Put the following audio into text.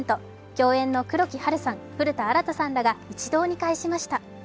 共演の黒木華さん、古田新太さんらが一堂に会しました。